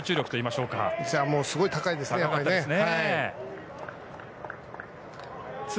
すごい高いですね、やっぱりね。